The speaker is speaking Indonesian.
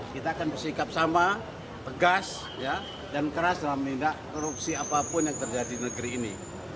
kita akan bersikap sama tegas dan keras dalam menindak korupsi apapun yang terjadi di negeri ini